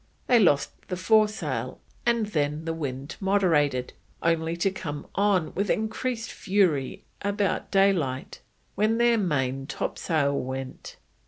They lost the fore sail, and then the wind moderated, only to come on with increased fury about daylight, when their main topsail went.